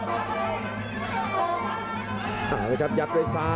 อันนี้พยายามจะเน้นข้างซ้ายนะครับ